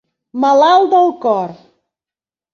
Malalt del cor